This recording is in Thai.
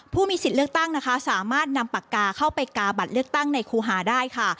ผู้มีสิทธิ์เลือกตั้งนะคะสามารถนำปากกาเข้าไปกาบัตรเลือกตั้งในครูหาได้ค่ะ